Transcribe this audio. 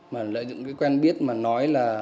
mà lợi dụng cái quen biết mà nói là